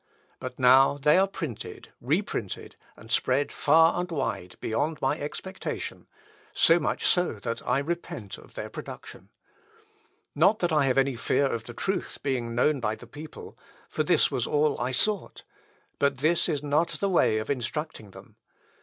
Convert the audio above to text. But now they are printed, reprinted, and spread far and wide, beyond my expectation; so much so that I repent of their production. Not that I have any fear of the truth being known by the people, (for this was all I sought,) but this is not the way of instructing them.